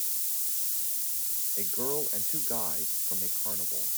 A girl and two guys from a carnival